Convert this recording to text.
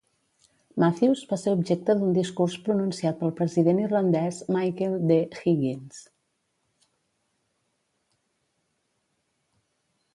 Matthews va ser objecte d'un discurs pronunciat pel president irlandès Michael D. Higgins.